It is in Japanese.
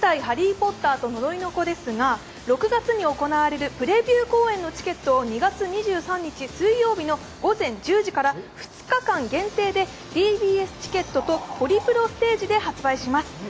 「ハリー・ポッターと呪いの子」ですが６月に行われるプレビュー公演のチケットを２月２３日水曜日の午前１０時から２日間限定でＴＢＳチケットとホリプロステージで発売します。